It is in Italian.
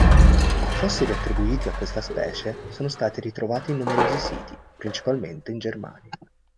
Fossili attribuiti a questa specie sono stati ritrovati in numerosi siti, principalmente in Germania.